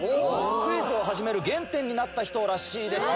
クイズを始める原点になった人らしいですよ。